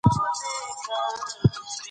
نهېلى د کور په لور راغلو.